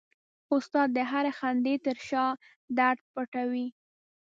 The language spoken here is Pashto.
استاد د هرې خندې شاته درد پټوي.